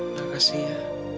terima kasih ya